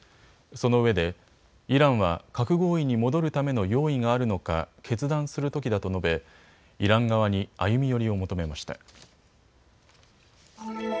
そのうえでイランは核合意に戻るための用意があるのか、決断するときだと述べイラン側に歩み寄りを求めました。